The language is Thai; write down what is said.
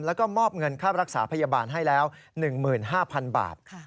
แล้วก็มอบเงินค่ารักษาพยาบาลให้แล้ว๑๕๐๐๐บาท